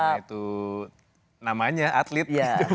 karena itu namanya atlet